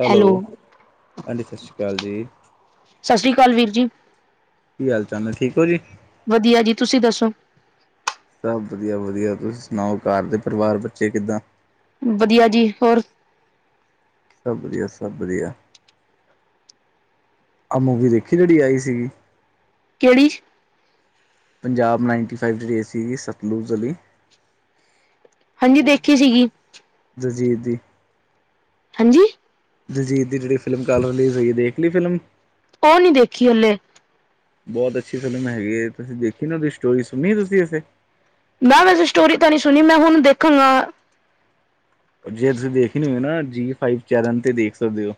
Hello, aunty ਸਤਿ ਸ਼੍ਰੀ ਅਕਾਲ ਜੀ। ਸਤਿ ਸ਼੍ਰੀ ਅਕਾਲ ਵੀਰ ਜੀ। ਕੀ ਹਾਲ-ਚਾਲ ਨੇ ਠੀਕ ਓ ਜੀ? ਵਧੀਆ ਜੀ ਤੁਸੀਂ ਦੱਸੋ? ਸਭ ਵਧੀਆ-ਵਧੀਆ, ਤੁਸੀਂ ਸੁਣਾਓ ਘਰ ਦੇ ਪਰਿਵਾਰ ਬੱਚੇ ਕਿੱਦਾਂ? ਵਧੀਆ ਜੀ ਹੋਰ ਸਭ ਵਧੀਆ-ਸਭ ਵਧੀਆ। ਆ ਮੁੂਵੀ ਦੇਖੀ ਜਿਹੜੀ ਆਈ ਸੀਗੀ? ਕੇਹੜੀ? ਪੰਜਾਬ ਨਾਈਨਟੀ ਫਾਈਵ ਜਿਹੜੀ ਏ ਸੀਗੀ ਸਤਲੁਜ ਵਲੀ। ਹਾਂਜੀ, ਦੇਖੀ ਸੀਗੀ। ਦਲਜੀਤ ਦੀ। ਹਾਂਜੀ। ਦਲਜੀਤ ਦੀ ਜਿਹੜੀ ਫਿਲਮ ਕੱਲ ਰਿਲੀਜ਼ ਹੋਈ ਏ ਦੇਖ ਲੀ ਫਿਲਮ। ਉਹ ਨੀ ਦੇਖੀ ਹਲੇ। ਬੋਹਤ ਅੱਛੀ ਫਿਲਮ ਹੈਗੀ ਏ ਤੁਸੀਂ ਦੇਖੀ ਨਾ ਉਹਦੀ ਸਟੋਰੀ ਸੁਣੀ ਏ ਤੁਸੀਂ ਅੇਸੇ? ਮੈਂ ਵੈਸੇ ਸਟੋਰੀ ਤਾਂ ਨੀ ਸੁਣੀ ਮੈਂ ਹੁਣ ਦੇਖਣ ਅ ਜੇ ਤੁਸੀਂ ਦੇਖ ਨੀ ਉਈ ਨਾ ਜੀ ਫਾਈਵ ਚੈਨਲ 'ਤੇ ਦੇਖ ਸਕਦੇ ਓ।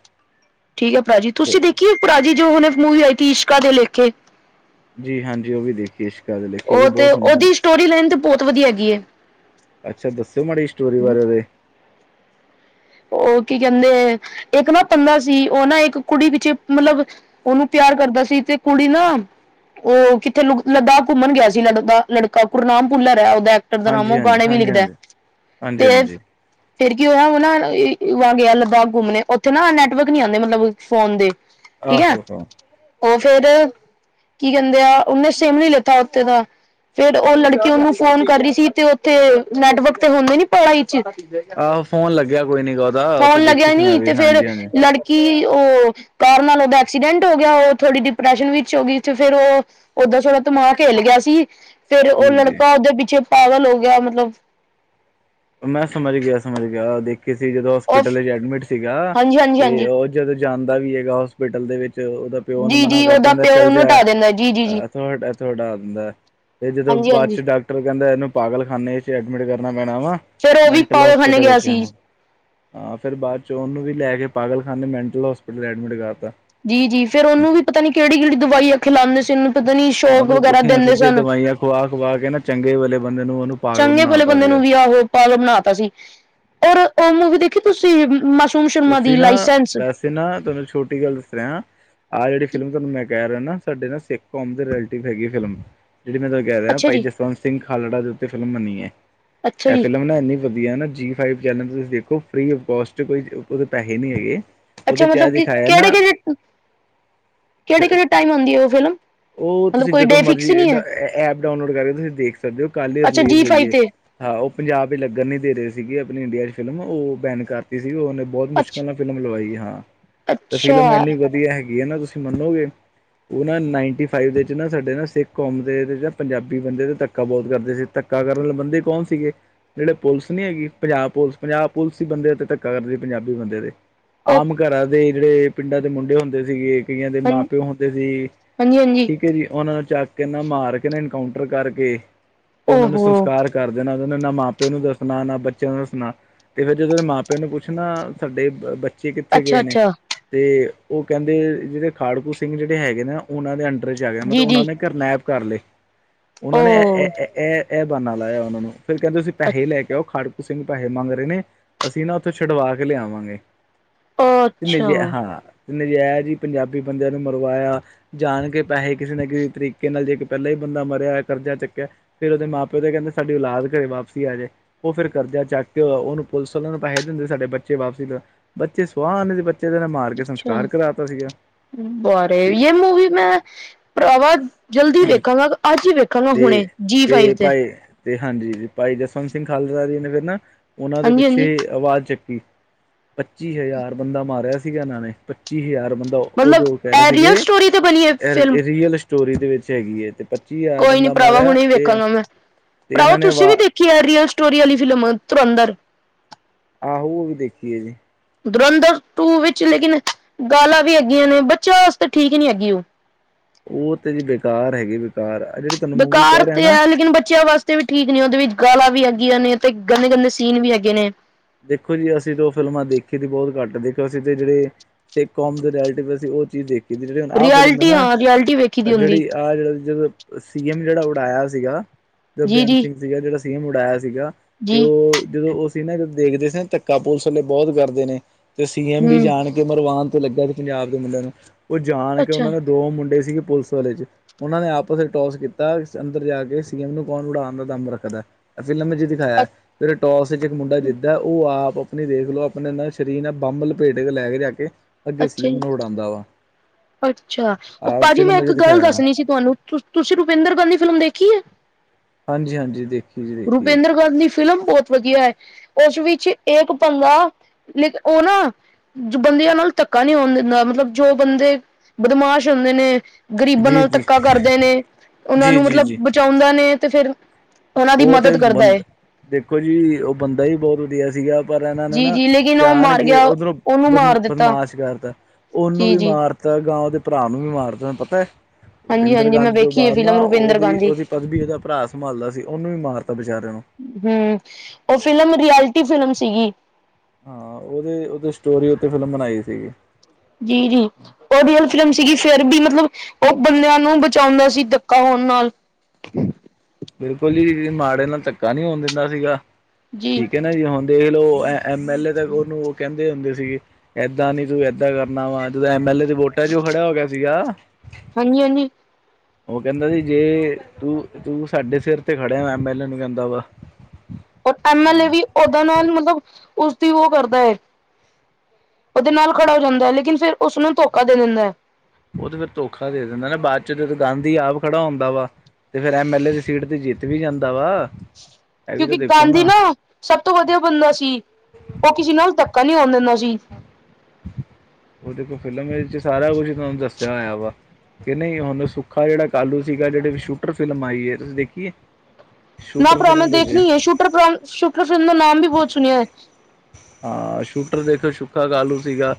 ਠੀਕ ਐ ਭਰਾਜੀ ਤੁਸੀਂ ਦੇਖੀ ਓ ਭਰਾਜੀ ਜੋ ਹੁਣੇ ਮੂਵੀ ਆਈ ਸੀ ਇਸ਼ਕਾ ਦੇ ਲੇਖੇ। ਜੀ ਹਾਂਜੀ ਉਹ ਵੀ ਦੇਖੀਏ ਇਸ਼ਕਾ ਦੇ ਲੇਖੇ ਉਹ ਵੀ ਤੇ ਬਹੋਤ ਸੁਣੀ ਹੀ ਮੈਂ। ਉਹਦੀ ਸਟੋਰੀ ਲੇਨ 'ਤੇ, ਬਹੋਤ ਵਧੀਆ ਹੈਗੀ ਏ। ਅੱਛਾ ਦੱਸਿਓ, ਮਾੜੀ ਸਟੋਰੀ ਬਾਰੇ ਉਹਦੇ। ਉਹ ਕੀ ਕਹਿੰਦੇ ਇੱਕ ਨਾ ਪੰਦਾ ਸੀ, ਉਹ ਨਾ ਇੱਕ ਕੁੜੀ ਪਿਛੇ ਮਤਲਬ ਉਹਨੂੰ ਪਿਆਰ ਕਰਦਾ ਸੀ, ਤੇ ਕੁੜੀ ਨਾ ਉਹ ਕਿੱਥੇ ਲਦਾਖ ਘੁੰਮਣ ਗਿਆ ਸੀ ਲਦਾਖ ਲੜਕਾ, ਗੁਰਨਾਮ ਭੁੱਲਰ ਹੈ ਉਹਦਾ ਦਾ ਹਾਂਜੀ ਨਾਮੁ, ਹਾਂਜੀ ਗਾਣੇ ਵੀ ਹਾਂਜੀ ਲਿਖਦਾ ਹਾਂਜੀ ਹਾਂਜੀ ਤੇ ਹਾਂਜੀ ਫੇਿਰ ਕੀ ਹੋਇਆ ਉਹ ਏਨਾ ਗਿਆ ਲਦਾਖ ਘੁੰਮਣੇ, ਉੱਥੇ ਨਾ ਨੈਟਵਰਕ ਨਹੀਂ ਆਉਂਦੇ ਮਤਲਬ ਫੋਨ ਦੇ ਠੀਕ ਹੈ, ਆਹੋ ਹੋ ਉਹ ਫੇਰ ਕੀ ਕਹਿੰਦੇ ਆ, ਉਹਨੇ ਸਿਮ ਨੀ ਲਿੱਤਾ ਉੱਥੇ ਦਾ ਫੇਰ ਉਹ ਲੜਕੀ ਉਹਨੂੰ ਫੋਨ ਕਰ ਰਹੀ ਸੀ, ਤੇ ਉੱਥੇ ਨੈਟਵਰਕ ਤੇ ਹੁੰਦੇ ਨੀ ਪੜ੍ਹ 'ਚ ਆਹੋ ਫੋਨ ਲੱਗਿਆ ਕੋਈ ਨੀ ਗਾ ਉਹਦਾ, ਉਹ ਤੇ ਦੇਖੀ ਸੀ ਮੈਂ ਵੀ, ਹਾਂਜੀ ਹਾਂਜੀ। ਕੀ ਉਹ ਕਾਰ ਨਾਲ ਉਹਦਾ ਐਕਸੀਡੈਂਟ ਹੋ ਗਿਆ, ਉਹ ਥੋੜੀ ਡਿਪਰੈਸ਼ਨ ਵਿੱਚ ਹੋ ਗਈ ਤੇ ਫਿਰ ਉਹ ਓਦਾਂ ਛੋੜਾ ਦਮਾਗ ਹਿਲ ਗਿਆ ਸੀ, ਫੇਰ ਉਹ ਜੀ ਜੀ ਲੜਕਾ ਓਦੇ ਪਿੱਛੇ ਪਾਗਲ ਹੋ ਗਿਆ ਮਤਲਬ ਮੈਂ ਸਮਝ ਗਿਆ, ਸਮਝ ਗਿਆ, ਦੇਖੀ ਸੀ ਜਦੋਂ ਉਹ ਹੋਸਪਿਟਲ 'ਚੋਂ ਐਡਮਿਟ ਸੀਗਾ ਹਾਂਜੀ ਹਾਂਜੀ ਤੇ ਹਾਂਜੀ ਉਹ ਜਦੋਂ ਜਾਂਦਾ ਵੀ ਹੈਗਾ, ਹੋਸਪੀਟਲ ਦੇ ਵਿੱਚ ਉਹਦਾ ਪਿਓ ਉਨੂੰ ਜੀ ਮਨਾ ਜੀ ਕਰ ਉਹਦਾ ਦਿੰਦਾ, ਪਿਓ ਚੱਲ ਉਹਨੂੰ ਜਾ ਹਟਾ ਦਿੰਦਾ ਜੀ ਜੀ ਜੀ ਥੋਂੜਾ ਆ ਥੋਂੜਾ ਹੁਦਾ ਤੇ ਜਦੋਂ ਹਾਂਜੀ ਹਾਂਜੀ ਬਾਚ ਡਾਕਟਰ ਕਹਿੰਦਾ, ਇਹਨੂੰ ਪਾਗਲ ਖਾਨੇ 'ਚ ਐਡਮਿਟ ਕਰਨਾ ਪੈਣਾ ਵਾ ਫੇਿਰ ਉਹ ਵੀ, ਮੈਂਟਲ ਪਾਗਲਖਾਨੇ ਹੋਸਪਿਟਲ ਗਿਆ ਵਿੱਚ ਸੀ। ਹਾਂ ਫਿਰ ਬਾਅਦ 'ਚ ਉਹਨੂੰ ਵੀ ਲੈ ਕੇ, ਪਾਗਲ ਖਾਨੇ ਮੈਂਟਲ ਹੋਸਪੀਟਲ ਐਡਮਿਟ ਕਰਤਾ। ਜੀ ਜੀ, ਫੇਰ ਉਹਨੂੰ ਵੀ ਪਤਾ ਨੀ ਕਿਹੜੀ ਕਿਹੜੀ ਦਵਾਈਆਂ ਖਿਲਾਉਂਦੇ ਸੀ, ਉਹਨੂੰ ਪਤਾ ਨੀ ਸ਼ੌਕ ਵਗੈਰਾ ਦਿੰਦੇ ਸਨ। ਕੁਆ ਕੁਆ ਕੇ ਨਾ, ਚੰਗੇ ਵਲੇ ਬੰਦੇ ਨੂੰ ਉਹਨੂੰ ਪਾਗਲ ਚੰਗੇ ਬਣਾ ਭਲੇ ਤਾ ਬੰਦੇ ਸੀਗਾ। ਨੂੰ ਵੀ ਆਹ ਪਾਗਲ ਬਣਾ ਤਾ ਸੀ, ਔਰ ਉਹ ਮੂਵੀ ਦੇਖੀ ਤੁਸੀਂ ਮਸਟ ਤੁਮ ਸ਼ਰਮਾ ਦੀ, ਲਾਇਸੈਂਸ। ਤੇ ਨਾਲ ਤੁਹਾਨੂੰ, ਛੋਟੀ ਗੱਲ ਦੱਸ ਰਿਆ ਆਹ ਜਿਹੜੀ ਫਿਲਮ ਤੁਹਾਨੂੰ ਮੈਂ ਕਹਿ ਰਿਹਾ ਨਾ, ਸਾਡੇ ਨਾ ਸਿੱਖ ਕੌਮ ਦੇ ਰਿਲਟਿਵ ਹੈਗੀ ਫਿਲਮ ਜਿਹੜੀ ਮੈਂ ਤਾ ਕਹਿ ਰਿਆ ਅੱਛਾ ਭਾਈ ਜੀ ਜਸਵੰਤ ਸਿੰਘ ਖਾਲੜਾ ਦੇ ਉੱਤੇ ਫਿਲਮ ਬਨੀ ਹੈ, ਅੱਛਾ ਇਹ ਜੀ ਫਿਲਮ ਨਾ ਇੰਨੀ ਵਧੀਆ ਨਾ ਜੀ ਫਾਇਬ ਚੈਨਲ ਤੁਸੀਂ ਦੇਖੋ ਫਰੀ ਉਫ ਕੋਸਟ, ਕੋਈ ਪੈਸੇ ਨਹੀਂ ਹੈਗੇ। ਅੱਛਾ ਉਹਦੇ ਚ ਇਹ ਮਤਲਬ ਕਿ ਦਿਖਾਇਆ ਕਿਹੜੇ, ਨਾ ਕਿਹੜੇ ਕਿਹੜੇ, ਕਿਹੜੇ ਟਾਈਮ ਹੁਉਂਦੀ ਆ ਉਹ ਫਿਲਮ? ਉਹ ਮਤਲਬ ਤੁਸੀਂ ਕੋਈ ਜਦੋਂ ਡੇ ਫਿਕਸ ਮਰਜ਼ੀ, ਨਹੀਂ ਹੈ ਐਪ ਡਾਊਨਲੋਡ ਕਰਕੇ ਤੁਸੀਂ ਦੇਖ ਸਕਦੇ ਹੋ, ਕੱਲ ਹੀ ਅੱਛਾ ਰਿਲੀਜ਼ ਜੀ ਹੋਈ ਫਾਈਵ ਏ। ਤੇ ਹਾਂ ਉਹ ਪੰਜਾਬ 'ਚ ਲੱਗਣ ਨਹੀ ਦੇ ਰਹੇ ਸੀਗੇ, ਆਪਣੀ ਇੰਡੀਆ 'ਚ ਫਿਲਮ ਉਹ ਬੈਨ ਕਰਤੀ ਸੀ ਉਹਨੇ ਬਹੁਤ ਅੱਛ ਮੁਸ਼ਕਿਲ ਨਾਲ ਫਿਲਮ ਲਵਾਈ ਹਾਂ, ਤੇ ਅੱਛਾ ਫਿਲਮ ਐੰਨੀ ਵਧੀਆ ਹੈਗੀ ਹੈ ਨਾ ਤੁਸੀਂ ਮੰਨੋਗੇ ਉਹ ਨਾ ਨਾਈਨਟੀ ਫਾਈਵ ਦੇ ਵਿੱਚ ਨਾ, ਸਾਡੇ ਨਾ ਸਿੱਖ ਕੌਮ ਦੇ ਜਾਂ ਪੰਜਾਬੀ ਬੰਦੇ ਦੇ ਦੱਕ ਧੱਕਾ ਬਹੁਤ ਕਰਦੇ ਸੀ, ਧੱਕਾ ਕਰਨ ਵਾਲੇ ਬੰਦੇ ਕੌਣ ਸੀ ਗੇ? ਜਿਹੜੇ ਪੁਲਿਸ ਨੀ ਹੈਗੀ ਪੰਜਾਬ ਪੁਲਿਸ, ਪੰਜਾਬ ਪੁਲਿਸ ਹੀ ਬੰਦੇ ਤੇ ਧੱਕਾ ਕਰਦੀ ਪੰਜਾਬੀ ਬੰਦੇ ਦੇ, ਉਹ ਆਮ ਘਰਾਂ ਦੇ ਜਿਹੜੇ ਪਿੰਡਾਂ ਦੇ ਮੁੰਡੇ ਹੁੰਦੇ ਸੀ ਗੇ ਕਈਆਂ ਦੇ ਹਾਂ ਮਾਂ ਪਿਓ ਹੁੰਦੇ ਸੀ, ਹਾਂਜੀ ਹਾਂਜੀ ਠੀਕ ਜੀ, ਉਹਨਾਂ ਦਾ ਚੱਕ ਕਿਨਾ ਮਾਰ ਕੇ ਨਾ, ਇਨਕਾਊਂਟਰ ਕਰਕੇ, ਤੇ ਉਹਨਾਂ ਨੂੰ ਓਹੋ ਸੰਸਕਾਰ ਕਰ ਡਰਦੇ ਨਾ ਉਹ ਨਾ ਮਾਂ ਪਿਉ ਨੂੰ ਦੱਸਣਾ, ਨਾ ਬੱਚਿਆਂ ਨੂੰ ਦੱਸਣਾ, ਨਾ ਇਹੋ ਜੇ, ਜਦੋਂ ਮਾਂ ਪਿਓ ਨੂੰ ਪੁੱਛਣਾ ਨਾ, ਸਾਡੇ ਬੱਚੇ ਕਿੱਥੇ ਅੱਛਾ ਗਏ ਨੇ? ਅੱਛਾ ਤੇ ਉਹ ਕਹਿੰਦੇ, ਜਿਹੜੇ ਖਾੜਕੂ ਸਿੰਘ ਜਿਹੜੇ ਹੈਗੇ ਨੇ ਉਹਨਾਂ ਦੇ ਅੰਡਰ 'ਚ ਆ ਗਿਆ, ਜੀ ਮਤਲਬ ਜੀ ਉਹਨਾਂ ਨੇ ਕਿਨੈਪ ਕਰ ਲਏ, ਉਹਨਾਂ ਨੇ ਇਹ- ਇਹ ਇਹ ਬਾਨਾ ਲਾਇਆ ਉਹਨਾ ਨੂੰ, ਫੇਿਰ ਕਹਿੰਦੇ ਤੁਸੀਂ ਪੈਹੇ ਲੈ ਕੇ ਆਓ, ਖਾੜਕੂ ਸਿੰਘ ਪੈਹੇ ਮੰਗ ਰਹੇ ਨੇ ਅਸੀ ਨਾ ਉਥੋਂ ਛੁਡਵਾ ਕੇ ਲਿਆਵਾਂ ਗੇ, ਨੀ ਜੀ, ਹਾਂ। ਨਜਾਇਜ ਈ, ਪੰਜਾਬੀ ਬੰਦਿਆਂ ਨੂੰ ਮਰਵਾਇਆ। ਜਾਣ ਕੇ ਪੈਹੇ ਕਿਸੇ ਨਾ ਕਿਸੇ ਤਰੀਕੇ ਨਾਲ, ਜੇ ਪਹਿਲਾਂ ਹੀ ਬੰਦਾ ਮਰਿਆ ਹੋਇ ਕਰਜ਼ਾ ਚੁੱਕਿਆ ਫੇਰ ਉਹਦੇ ਮਾਂ ਪਿਓ ਤੇ ਕਹਿੰਦੇ ਸਾਡੀ ਔਲਾਦ ਘਰੇ ਵਾਪਸੀ ਆ ਜਾਏ, ਉਹ ਫਿਰ ਕਰਜ਼ਾ ਚੱਕ ਕੇ ਉਹ ਨੂੰ ਪੁਲਿਸ ਆਲੇ ਨੂੰ ਪੈਸੇ ਦਿਦੇ ਸੀ ਸਾਡੇ ਬੱਚੇ ਵਾਪਸੀ, ਬੱਚੇ ਸੁਆਹ ਆਣੇ, ਬੱਚੇ ਇਹ ਨੇ ਮਾਰ ਕੇ ਸੰਸਕਾਰ ਕਰਾ ਤਾ ਸੀਗਾ ਫੁਵਾਰੇ, ਤੇ ਇਹ ਮੂਵੀ ਮੈਂ ਭਰਾਵਾ ਜਲਦੀ ਦੇਖਾਂਗਾ ਅੱਜ ਹੀ ਵੇਖਾਂ ਕਰੋ ਹੁਣੇ ਤੇ ਜੀ ਫਾਈਵ ਤੇ ਭਾਈ ਤੇ ਹਾਂਜੀ ਭਾਈ ਜਸਵੰਤ ਸਿੰਘ ਖਾਲੜਾ ਜੀ ਨਗਰ ਨਾ ਉਹਨਾਂ ਦੇ ਹਾਂਜੀ ਪਿੱਛੇ ਹਾਂਜੀ ਆਵਾਲ ਚੱਕੀ ਪੱਚੀ ਹਜ਼ਾਰ ਬੰਦਾ ਮਾਰਿਆ ਸੀਗਾ ਇਹਨਾਂ ਨੇ ਪੱਚੀ ਹਜ਼ਾਰ ਮਤਲਬ ਉਦੋਂ ਕਹਿਦੇ ਇਹ ਸੀਗੇ, ਰੀਅਲ ਸਟੋਰੀ ਤੇ ਬਣੀ ਹੈ ਫਿਲਮ ਏ ਰੀਅਲ ਸਟੋਰੀ ਦੇ ਵਿੱਚ ਹੈਗੀ ਐ, ਏ ਤੇ ਪੱਚੀ ਐ ਕੋਈ ਨੀ ਭਰਾਵਾ ਹੁਣੇ ਵੇਖਾਂਗਾ ਮੈਂ, ਤੇ ਭਰਾਵਾ ਇਹਨਾਂ ਨੇ ਤੁਸੀਂ ਵਾ ਵੀ ਦੇਖ ਕੀ ਏ ਰੀਅਲ ਸਟੋਰੀ ਵਾਲੀ ਫਿਲਮ ਧੂਰੰਦਰ ਆਹੋ ਉਹ ਵੀ ਦੇਖੀ ਏ ਜੀ ਧੁਰੰਧਰ ਟੂ ਵਿੱਚ ਲੇਕਿਨ ਗਾਲਾਂ ਵੀ ਅੱਗੀਆਂ ਨੇ, ਬੱਚਿਆਂ ਵਾਸਤੇ ਠੀਕ ਨਹੀਂ ਹੈਗੀ ਉਹ ਉਹ ਤੇ ਜੀ ਬੇਕਾਰ ਹੈਗੇ ਬੇਕਾਰ ਆ, ਐ ਜਿਹੜੇ ਬੇਕਾਰ ਤੇ ਹੈ ਲੇਕਿਨ ਬੱਚਿਆਂ ਵਾਸਤੇ ਤੇ ਵੀ ਠੀਕ ਨੀ, ਉਹਦੇ ਵਿੱਚ ਗਾਲਾਂ ਵੀ ਹੈਗਿਆਂ ਗੀਆਂ ਨੇ ਅਤੇ ਗੰਦੇ ਗੰਦੇ ਸੀਨ ਵੀ ਹੈਗੇ ਨੇ ਦੇਖੋ ਜੀ ਅਸੀਂ ਤੇ ਉਹ ਫਿਲਮਾਂ ਦੇਖੀ ਦੀ ਬਹੁਤ ਘੱਟ ਦੇਖੀ, ਅਸੀਂ ਤੇ ਜਿਹੜੇ ਸਿੱਖ ਕੌਮ ਦੇ ਰਿਲੇਟਿਵ, ਅਸੀ ਉਹ ਚੀਜ਼ ਦੇਖ ਕੀ ਜਿਹੜੀ ਆਹ ਫਿਲਮ ਹੈ ਰਿਐਲਿਟੀ ਨਾ, ਹਾਂ ਰਿਐਲਿਟੀ ਵੇਖੀ ਦੀ ਹੁੰਦੀ ਜਿਹੜੀ ਆਹ ਜਿਹੜੀ ਸੀ ਐਮ ਜਿਹੜਾ ਉਡਾਇਆ ਸੀਗਾ, ਜੋ ਜੀ ਬੇਅੰਤ ਜੀ ਸਿੰਘ ਸੀਗਾ ਜਿਹੜਾ ਸੀ ਐਮ ਉਡਾਇਆ ਸੀਗਾ ਤੇ ਜੀ ਉਹ ਜਦੋਂ ਉਹ ਸੀ ਨਾ ਜਦੋਂ ਦੇਖਦੇ ਸੀ ਨਾ ਧੱਕਾ ਪੁਲਿਸ ਵਾਲੇ ਬਹੁਤ ਕਰਦੇ ਨੇ ਤੇ ਸੀ ਐਮ ਵੀ ਹੂੰ ਜਾਣ ਕੇ ਮਰਵਾਨ ਤੇ ਲੱਗਾ ਸੀ ਪੰਜਾਬ ਦੇ ਮੁੰਡਿਆਂ ਨੂੰ, ਉਹ ਜਾਣ ਕੇ ਅੱਛਾ ਉਹਨਾਂ ਨੇ ਦੋ ਮੁੰਡੇ ਸੀਗੇ ਪੁਲਿਸ ਵਾਲੇ ਚੱ ਉਹਨਾਂ ਨੇ ਆਪਸ ਵਿੱਚ ਟੋਸ ਕੀਤਾ ਅੰਦਰ ਜਾ ਕੇ, ਸੀ ਐਮ ਨੂੰ ਕੌਣ ਉਡਾਉਣ ਦਾ ਦਂਮ ਰੱਖਦਾ ਏ ਫਿਲਮ ਜੇ ਦਿਖਾਇਆ, ਅ ਫਿਰ ਟੋਸ ਵਿੱਚ ਇੱਕ ਮੁੰਡਾ ਜਿੱਤ ਔ ਆਪ ਆਪਣੀ ਦੇਖ ਲੋ, ਆਪਣੇ ਸਰੀਰ ਨਾਲ ਬੰਬ ਲਪੇਟ ਕੇ ਲੈ ਕੇ ਜਾ ਕੇ ਅੱਗੇ ਸੀ ਅੱਛਾ ਐਮ ਜੀ ਨੂੰ ਉਡਾਉਂਦਾ ਵਾ ਅੱਛਾ ਉਹ ਆਹ ਭਾਜੀ ਫਿਲਮ ਮੈਂ ਵਿੱਚ ਇੱਕ ਗੱਲ ਦਿਖਾਇਆ ਦੱਸਣੀ ਸੀ ਤੁਹਾਨੂੰ, ਤੁਸੀਂ ਰੁਪਿੰਦਰ ਗਾਂਧੀ ਫਿਲਮ ਦੇਖੀ ਹੈ ਹਾਂਜੀ ਹਾਂਜੀ ਦੇਖੀ ਜੀ ਦੇਖੀ ਰੁਪਿੰਦਰ ਗਾਂਧੀ ਫਿਲਮ ਬਹੁਤ ਵਧੀਆ ਹੈ ਉਸ ਵਿੱਚ ਇੱਕ ਪੰਗਾ, ਲੇਕਿਨ ਉਹ ਨਾ ਜੋ ਬੰਦਿਆਂ ਨਾਲ ਧੱਕਾ ਨਹੀਂ ਹੋਣ ਦਿੰਦਾ, ਮਤਲਬ ਜੋ ਬੰਦੇ ਬਦਮਾਸ਼ ਹੁੰਦੇ ਨੇ ਗ਼ਰੀਬਾਂ ਜੀ ਨਾਲ ਜੀ ਧੱਕਾ ਕਰਦੇ ਨੇ, ਉਹਨਾਂ ਜੀ ਨੂੰ ਜੀ ਮਤਲਬ ਜੀ ਬੱਚਾਉਂਦਾ ਨੇ ਤੇ ਫਿਰ ਉਹਨਾਂ ਦੀ ਉਹ ਤੇ ਮਦਦ ਕਰਦਾ ਹੈ ਬੰਦਾ, ਦੇਖੋ ਜੀ ਉਹ ਬੰਦਾ ਹੀ ਬਹੁਤ ਵਧੀਆ ਸੀਗਾ ਪਰ ਇਹਨਾਂ ਨੇ ਜੀ ਨਾ, ਜੀ ਲੇਕਿਨ ਉਹ ਜਾਣ ਮਾਰ ਕੇ ਗਿਆ ਉਧਰੋਂ ਉਹਨੂੰ ਮਾਰ ਦਿੱਤਾ ਬਦਮਾਸ਼ ਕਰਤਾ ਉਹਨੂੰ ਜੀ ਵੀ ਜੀ ਮਾਰਤਾ ਤੇ ਅਗਾਂਹ ਉਹਦੇ ਭਰਾ ਨੂੰ ਵੀ ਮਾਰਤਾ ਪਤਾ ਹੈ ਹਾਂਜੀ ਰੁਪਿੰਦਰ ਹਾਂਜੀ ਮੈਂ ਗਾਂਧੀ ਤੋਂ ਵੇਖੀ ਹੈ ਬਾਅਦ ਨਾ ਫਿਲਮ ਰੁਪਿੰਦਰ ਉਹਦੀ ਗਾਂਧੀ ਉਹਦੀ ਪਦਵੀ ਉਹਦਾ ਭਰਾ ਸੰਭਾਲਦਾ ਸੀ, ਉਹਨੂੰ ਵੀ ਮਾਰਤਾ ਵਿਚਾਰੇ ਨੂੰ ਹੂ ਉਹ ਫਿਲਮ ਰਿਐਲਟੀ ਫਿਲਮ ਸੀਗੀ ਹਾਂ ਉਹਦੇ ਉਹਦੇ ਸਟੋਰੀ ਉੱਤੇ ਫਿਲਮ ਬਣਾਈ ਸੀਗੀ ਜੀ ਜੀ ਉਹ ਰੀਅਲ ਫਿਲਮ ਸੀਗੀ, ਫਿਰ ਵੀ ਮਤਲਬ ਉਹ ਬੰਦਿਆਂ ਨੂੰ ਬਚਾਉਂਦਾ ਸੀ ਧੱਕਾ ਹੋਣ ਨਾਲ ਬਿਲਕੁਲ ਜੀ ਮਾੜੇ ਨਾਲ ਧੱਕਾ ਨਹੀਂ ਹੋਣ ਦਿੰਦਾ ਸੀਗਾ, ਠੀਕ ਹੈ ਨਾ ਜੀ ਹੁਣ ਦੇਖ ਲਓ ਐਂ ਐਮ ਐਲ ਏ ਤੱਕ ਉਹਨੂੰ ਉਹ ਕਹਿੰਦੇ ਹੁੰਦੇ ਸੀਗੇ, ਇਦਾ ਨੀ ਤੂੰ ਇਦਾ ਕਰਨਾ ਵਾ ਜਦੋਂ ਐਮ ਐਲ ਏ ਦੇ ਵੋਟਾਂ ਚ ਔ ਖੜਾ ਹੋ ਗਿਆ ਸੀਗਾ ਹਾਂਜੀ ਹਾਂਜੀ ਉਹ ਕਹਿੰਦਾ ਜੇ ਤੂੰ ਤੂੰ ਸਾਡੇ ਸਿਰ ਤੇ ਖੜਿਆ ਐਮ ਐਲ ਏ ਨੂੰ ਕਹਿੰਦਾ ਵਾ ਔਰ, ਐਮ ਐਲ ਏ ਹਾਂ। ਵੀ ਓਦਾਂ ਨਾਲ ਮਤਲਬ ਉਸਦੀ ਉਹ ਕਰਦਾ ਹੈ। [inaudible] ਲੇਕਿਨ, ਫਿਰ ਉਸਨੂੰ ਧੋਖਾ ਦੇ ਦਿੰਦਾ ਹੈ। ਉਹ ਤੇ ਫਿਰ ਧੋਖਾ ਦੇ ਦਿੰਦਾ ਨਾ ਬਾਅਦ ਚ ਜਦੋਂ ਗਾਂਧੀ ਆਪ ਖੜਾ ਹੁੰਦਾ ਵਾ। ਤੇ, ਫਿਰ ਐਮ ਐਲ ਏ ਦੀ ਸੀਟ ਤੇ ਜਿੱਤ ਵੀ ਜਾਂਦਾ ਵਾ। ਇਹ ਵੀ ਤਾਂ ਕਿਉਂਕਿ, ਦੇਖੋ ਗਾਂਧੀ ਨਾ ਸਭ ਤੋਂ ਵਧੀਆ ਬੰਦਾ ਸੀ। ਉਹ ਕਿਸੇ ਨਾਲ ਧੱਕਾ ਨਹੀਂ ਹੋਣ ਦਿੰਦਾ ਸੀ। ਉਹ ਦੇਖੋ ਫਿਲਮ ਚ ਸਾਰਾ ਕੁੱਛ ਤੁਹਾਨੂੰ ਦੱਸਿਆ ਹੋਇਆ ਵਾ। ਕਿ ਨਹੀਂ ਹੁਣ ਸੁੱਖਾ ਜਿਹੜਾ ਕਾਹਲੋਂ ਸੀਗਾ ਜਿਹੜੀ ਸ਼ੂਟਰ ਫਿਲਮ ਆਈ ਹੈ। ਤੁਸੀਂ ਦੇਖੀ ਏ। ਨਾ ਭਰਾ ਦੇਖਣੀ ਹੈ। ਸ਼ੂਟਰ ਸ਼ੂਟਰ ਫਿਲਮ ਦਾ ਨਾਮ ਵੀ ਬਹੁਤ ਸੁਣਿਆ ਹੈ। ਹਾਂ, ਸ਼ੂਟਰ ਦੇਖੋ। ਸੁੱਖਾ ਕਾਹਲੋ ਸੀਗਾ।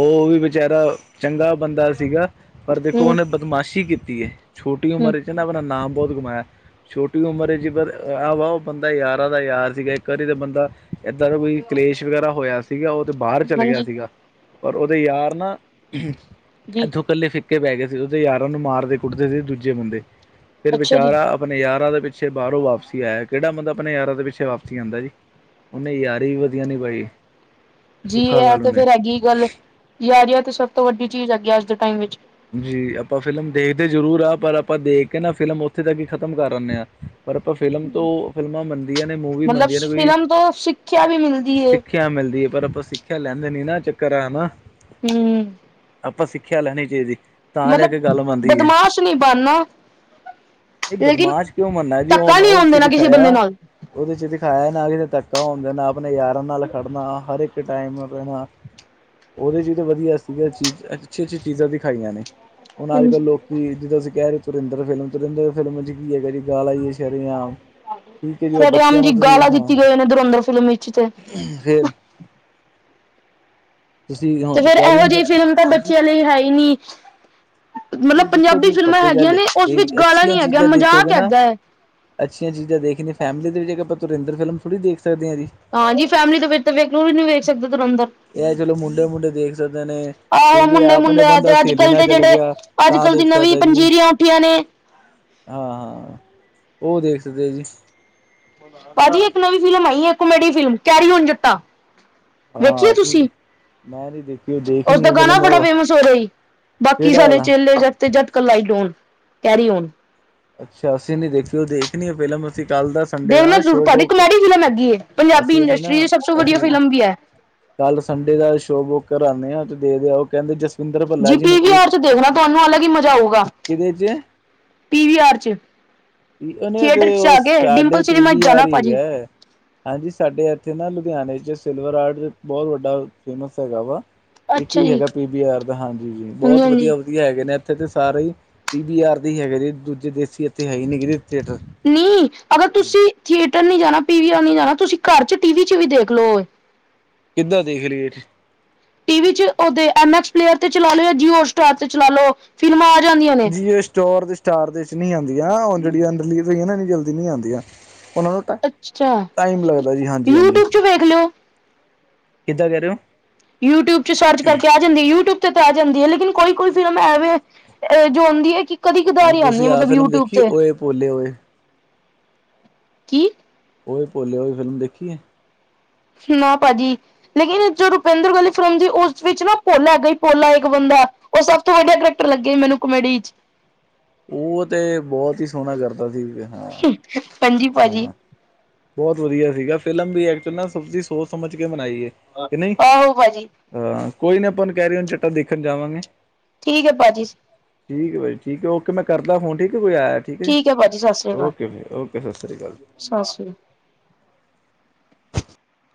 ਉਹ ਵੀ ਵਿਚਾਰਾ ਚੰਗਾ ਬੰਦਾ ਸੀਗਾ। ਪਰ ਦੇਖੋ, ਹਮ ਉਹਨੇ ਬਦਮਾਸ਼ੀ ਕੀਤੀ ਹੈ। ਛੋਟੀ ਹਮ ਉਮਰ ਵਿੱਚ ਨਾ ਆਪਣਾ ਨਾਮ ਬਹੁਤ ਕਮਾਇਆ ਹੈ। ਛੋਟੀ ਉਮਰ ਵਿੱਚ ' ਪਰ ਆਹ ਵ ਉਹ ਬੰਦਾ ਯਾਰਾਂ ਦਾ ਯਾਰ ਸੀਗਾ, ਇੱਕ ਵਾਰੀ ਤਾਂ ਬੰਦਾ ਏਦਾਂ ਦਾ ਕੋਈ ਕਲੇਸ਼ ਵਗੈਰਾ ਹੋਇਆ ਸੀਗਾ, ਉਹ ਤੇ ਬਾਹਰ ਚੱਲ ਗਿਆ ਹਾਂਜੀ ਸੀਗਾ, ਪਰ ਉਹਦੇ ਯਾਰ ਨਾ ਜੀ ਇੱਥੋਂ ਇਕੱਲੇ ਫ ਕੇ ਪੈ ਗਏ ਸੀ, ਉ ਤੇ ਯਾਰਾਂ ਨੂੰ ਮਾਰਦੇ ਕੁੱਟਦੇ ਸੀ, ਦੂਜੇ ਬੰਦੇ ਫਿਰ ਅੱਛਾ ਜੀ ਵਿਚਾਰਾ ਆਪਣੇ ਯਾਰਾਂ ਦੇ ਪਿੱਛੇ ਬਾਹਰੋਂ ਵਾਪਸੀ ਆਇਆ, ਕਿਹੜਾ ਬੰਦਾ ਆਪਣੇ ਯਾਰਾਂ ਦੇ ਪਿੱਛੇ ਵਾਪਸੀ ਆਉਂਦਾ ਜੀ। ਉਹਨੇ ਯਾਰੀ ਵੀ ਵਧੀਆ ਨੀ ਪਾਈ ਜੀ, ਇਹ ਤੇ ਫਿਰ ਹੈਗੀ ਗੱਲ, ਯਾਰ ਆ ਤੇ ਸਭ ਤੋਂ ਵੱਡੀ ਚੀਜ਼ ਹੈਗੀ, ਅੱਜ ਦੇ ਟਾਈਮ ਵਿੱਚ ਜੀ ਆਪਾਂ ਫਿਲਮ ਦੇਖਦੇ ਜ਼ਰੂਰ ਆ, ਪਰ ਆਪਾਂ ਦੇਖ ਕੇ ਨਾ ਫਿਲਮ ਉੱਥੇ ਤੱਕ ਹੀ ਖ਼ਤਮ ਕਰ ਆਦੇ ਹਾਂ। ਪਰ, ਆਪਾਂ ਫਿਲਮ ਤੋਂ ਫਿਲਮਾਂ ਬੰਨਦੀਆਂ ਨੇ ਮੂਵੀ ਮਤਲਬ ਬੰਨਦੀਆਂ ਨੇ ਕੋਈ ਫਿਲਮ ਤੋਂ ਸਿੱਖਿਆ ਵੀ ਮਿਲਦੀ ਸਿੱਖ ਹੈ ਸਿੱਖਿਆ ਮਿਲਦੀ ਹੈ, ਪਰ ਆਪਾਂ ਸਿੱਖਿਆ ਲੈਂਦੇ ਨੀ, ਨਾ ਚੱਕਰ ਹਨਾ। ਹੂ। ਆਪਾਂ ਸਿੱਖਿਆ ਲੈਣੀ ਚਾਹੀਦੀ, ਤਾਂ ਜਾ ਮਤਲਬ ਕੇ ਗੱਲ ਬਣਦੀ ਹੈ। ਬਦਮਾਸ਼ ਨਹੀਂ ਬਣਨਾ ਨਹੀਂ, ਲੇਕਿਨ ਬਦਮਾਸ਼ ਕਿਉਂ ਮਰਨਾ ਜੀ, ਧੱਕਾ ਹੁਣ ਨਹੀਂ ਹੋਣ ਉਹਥੇ ਦੇਣਾ ਕਿਸੇ ਬੰਦੇ ਦਿਖਾਇਆ ਨਾਲ ਉਹਦੇ ਚ ਦਿਖਾਇਆ ਨਾ ਕਿਤੇ ਧੱਕਾ ਹੁੰਦਾ, ਨਾ ਆਪਣੇ ਯਾਰਾਂ ਨਾਲ ਖੜਨਾ, ਹਰ ਇੱਕ ਟਾਈਮ ਰਹਿਣਾ ਉਹਦੇ ਚ ਤਾਂ ਵਧੀਆ ਸੀਗਾ ਚੀਜ਼ ਅੱਛੀ -ਅੱਛੀ ਚੀਜ਼ਾਂ, ਦਿਖਾਈਆਂ ਨੇ ਹੁਣ ਅੱਜ ਕੱਲ੍ਹ ਹਾਂਜੀ ਲੋਕ ਕਿ ਜਦੋਂ ਅਸੀਂ ਕਹਿ ਰਹੇ ਹੋ। ਧੁਰਿੰਦਰ ਫਿਲਮ, ਧੁਰਿੰਦਰ ਫਿਲਮ ਚ ਕੀ ਹੈਗਾ ਜੀ ਗਾਲ ਆਈਏ ਸ਼ਰੇ ਆਮ ਠੀਕ ਹੈ। ਜੀ, ਉਹ ਸ਼ਰੇਆਮ ਬੱਚਿਆਂ ਜੀ ਨਾਲ ਤੁਸੀਂ ਗਾਲਾਂ ਹਾਂ ਦਿੱਤੀ ਗਏ ਨੇ ਇਧਰੋਂ ਅੰਦਰ ਫਿਲਮ ਵਿੱਚ ਤੇ ਫੇਰ ਤੁਸੀਂ ਤੇ ਹੁਣ ਫੇਰ, ਕਹਿ ਇਹੋ ਰਹੇ ਜਿਹੀ ਹੋ ਫਿਲਮ ਤਾਂ ਹਾਂਜੀ ਬੱਚਿਆਂ ਲਈ ਹੈ ਹੀ ਨੀ ਇਹ ਦੇਖੋ ਜੀ, ਪਤਾ ਗੱਲ ਨੇ ਉਸ ਵਿੱਚ ਇਹ ਗਾਲਾਂ ਅੱਛੀਆਂ ਨੀ ਹੈਗੀਆਂ ਚੀਜ਼ਾਂ ਮਜ਼ਾਕ ਦੇਖੋਗੇ ਨਾ ਹੈਗਾ ਹੈ ਅੱਛੀਆਂ ਚੀਜ਼ਾਂ [inaudible] ਆਪਾਂ, ਧੁਰਿੰਦਰ ਫਿਲਮ ਥੋੜ੍ਹੀ ਦੇਖ ਸਕਦੇ ਹੈ ਜੀ। ਹਾਂਜੀ, ਫੈਮਿਲੀ ਦੇ ਵਿੱਚ ਤਾਂ ਵੇਖ ਲੋ ਵੀ ਉਈ ਨੀ ਵੇਖ ਸਕਦੇ ਧੁਰੰਦਰ ਇਹ ਚਲੋ ਮੁੰਡੇ -ਮੁੰਡੇ ਦੇਖ ਸਕਦੇ ਨੇ, ਆਹੋ ਠੀਕ ਮੁੰਡੇ ਆਪਣੇ ਮੁੰਡੇ ਆ ਬੰਦਾ ਤੇ ਅੱਜ ਸਹੇਲੀ ਕੱਲ ਨਾਲ ਦੇ ਚੱਲ ਜਿਹੜੇ ਗਿਆ। ਅੱਜ ਤਾਂ ਕੱਲ੍ਹ ਦੀ ਦੇਖ ਨਵੀਂ, ਪੰਜੀਰੀਆਂ ਉੱਠੀਆਂ ਨੇ ਹਾਂ-ਹਾਂ, ਉਹ ਦੇਖ ਸਕਦੇ ਜੀ। ਭਾਜੀ, ਇੱਕ ਨਵੀਂ ਫਿਲਮ ਆਈ ਹੈ, ਕੋਮੇਡੀ ਫਿਲਮ ਕੈਰੀ ਆਨ ਜੱਟਾਂ ਵੇਖੀਏ ਤੁਸੀਂ ਮੈਂ ਨੀ ਦੇਖੀ ਉਹ ਦੇਖਣੀ ਉਸਦਾ ਹੈ ਗਾਣਾ ਫਿਲਮ ਬੜਾ ਉਹ ਫੇਮਸ ਹੋ ਰਿਹਾ ਸੀ। ਬਾਕੀ ਕਿਹੜਾ ਸਾਰੇੇ ਵਾਲਾ ਚੇਲੇ ਚ [unintelligible] ਅੱਛਾ ਅਸੀਂ ਨੀ ਦੇਖੀ, ਉਹ ਦੇਖੀਏ ਫਿਲਮ ਅਸੀਂ ਕੱਲ ਦੱਸ [unintelligible] ਪੰਜਾਬੀ ਅਸੀਂ ਅਸੀਂ ਇੰਡਸਟਰੀ ਨਾ ਦੀ ਸਭ ਤੋਂ ਵਧੀਆ ਅਸੀਂ ਫਿਲਮ ਵੀ ਹੈ। ਕੱਲ ਸੰਡੇ ਦਾ ਸ਼ੋ ਬੁੱਕ ਕਰਾਉਂਦੇ ਆ, ਤੇ ਦੇ ਦੇ ਆ ਉਹ ਕਹਿੰਦੇ ਜ ਜੀ, ਪੀ ਵੀ ਆਰ ਚ ਦੇਖਣਾ ਤੁਹਾਨੂੰ ਅਲੱਗ ਹੀ ਮਜ਼ਾ ਆਊਗਾ, ਕਿਹਦੇ ਚ ਪੀਵ ਆਰ ਚ ਉਹਨੇ ਤੇ ਥੀਏਟਰ ਚ ਉਹ ਆ ਕੇ ਸਾਡੇ ਡਿੰਪਲ ਸਿਨੇਮਾ [inaudible] ਜਾਣਾ ਭਾਜੀ ਹਾਂਜੀ, ਸਾਡੇ ਏਥੇ ਨਾ ਲੁਧਿਆਣੇ ਚ ਸਿਲਵਰ ਆਰਟ, ਬੋਤ ਵੱਡਾ ਫੇਮਸ ਹੈਗਾ ਵਾ ਇੱਕੋ ਅੱਛਾ ਹੀ ਜੀ ਹੈਗਾ, ਪੀ ਬੀ ਆਰ ਦਾ, ਹਾਂਜੀ ਜੀ, ਹਾਂਜੀ ਬੋਤ ਹਾਂਜੀ ਵਧੀਆ ਹੈਗੇ ਨੇ, ਇੱਥੇ ਤੇ ਸਾਰੇ ਹੀ ਪੀ ਬੀ ਆਰ ਦੇ ਹੈਗੇ, ਜ ਦੂਜੇ ਦੇਸੀ ਇੱਥੇ ਹੈ ਹੀ ਨ ਥੀਏਟਰ ਨਹੀਂ, ਅਗਰ ਤੁਸੀਂ ਥੀਏਟਰ ਨੀ ਜਾਣਾ, ਪੀ ਵੀ ਆਰ ਨੀ ਜਾਣਾ, ਤੁਸੀਂ ਘਰ ਚ ਟੀ ਵੀ ਚ ਵੀ ਦੇਖ ਲਓ ਕਿੱਦਾਂ ਦੇਖ ਲੀਏ ਟੀ ਵੀ ਚ ਓਦੇ ਐਮ ਐਕਸ ਪਲੇਅਰ ਤੇ ਚਲਾ ਲੋ, ਜਾਂ ਜੀਓ ਹੋਟ ਸਟਾਰ ਤੇ ਚਲਾ ਲੋ, ਫਿਲਮਾਂ ਆ ਜਾਂਦੀਆਂ ਨੇ ਜੀ ਸਟੋਰ ਦੇ ਸਟਾਰ ਦੇ ਵਿੱਚ ਨੀ ਆਂਦੀ, ਓ ਜੇਹੜੀਆਂ ਰੀਲੀਜ਼ ਹੋਈਆਂ ਐਨੀ ਜਲਦੀ ਨੀ ਆਂਦੀਆਂ, ਓਹਨਾਂ ਨੂੰ ਅੱਛਾ ਟਾਈਮ ਲੱਗਦਾ ਜੀ, ਹਾਂਜੀ-ਹਾਂਜੀ ਯੂਟਿਊਬ 'ਚ ਵੇਖ ਲਿਓ ਕਿੱਦਾਂ ਕੈਹ ਰਹੇ ਹੋ। ਯੂਟਿਊਬ ਚ ਸਰਚ ਕਰਕੇ ਆ ਜਾਂਦੀ ਯੂਟਿਊਬ ਤੇ ਤੇ ਆ ਜਾਂਦੀ ਹੈ, ਲੇਕਿਨ ਕੋਈ-ਕੋਈ ਫਿਲਮ ਐਵੇਂ ਜੋ ਹੁੰਂਦੀ ਹੈ ਕਿ ਹੁਣ ਕਦੀ-ਕਦਾਰੀ ਆਂਦੀ ਆ, ਤੁਸੀਂ ਆਹ ਮਤਲਬ ਫਿਲਮ ਯੂਟਿਊਬ ਦੇਖੀ ਤੇ, ਓਏ ਪੋਲੇ ਓਏ ਕੀ? ਓਏ ਭੋਲੇ ਓਏ, ਓ ਫਿਲਮ ਦੇਖੀ ਏ? ਨਾ ਭਾਜੀ ਲੇਕਿਨ, ਜੋ ਰੁਪਿੰਦਰ ਗਾਂਧੀ ਫਿਲਮ ਓਸ ਵਿੱਚ ਨਾ ਭੋਲਾ ਹੈਗਾ, ਭੋਲਾ ਇੱਕ ਬੰਦਾ ਓ ਸਭ ਤੋਂ ਵਧੀਆ ਕਰੈਕਟਰ ਲੱਗੇ ਮੈਨੂੰ ਕਮੇਡੀ ਚ ਓ ਤੇ ਬੋਤ ਈ ਸੋਹਣਾ ਕਰਦਾ ਸੀ ਹਾਂ। ਹਾਂਜੀ ਭਾਜੀ ਬੋਤ ਵਧੀਆ ਸੀਗਾ, ਫਿਲਮ ਵੀ ਐਕਚੁਅਲ ਨਾ, ਸੱਚੀ ਸੋਚ ਸਮਝ ਕੇ ਬਨਾਈ ਏ। ਆਹੋ ਭਾਜੀ। ਹਾਂ, ਕੋਈ ਨੀ ਆਪਾਂ ਹੁਣ, ਕੈਰੀ ਓਨ ਜੱਟਾ ਦੇਖਣ ਜਾਵਾਂਗੇ। ਠੀਕ ਹੈ, ਭਾਜੀ। ਠੀਕ ਹੈ ਭਾਈ, ਠੀਕ ਹੈ ਓਕੇ, ਮੈਂ ਕਰਦਾ ਫੋਨ ਠੀਕ ਹੈ, ਕੋਈ ਆਇਆ, ਠੀਕ ਹੈ ਜੀ, ਓਕੇ-ਓਕੇ ਸਤਿ ਸ਼੍ਰੀ ਅਕਾਲ। ਸਸ ਸ੍ਰੀ